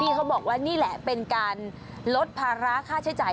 เขาบอกว่านี่แหละเป็นการลดภาระค่าใช้จ่าย